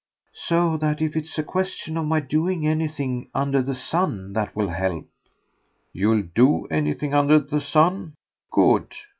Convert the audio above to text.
"So that if it's a question of my doing anything under the sun that will help !" "You'll DO anything under the sun? Good."